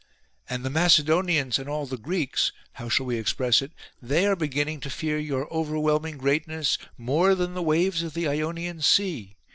And the Mace donians and all the Greeks (how shall we express it ?) they are beginning to fear your overwhelming great ness more than the waves of the Ionian Sea.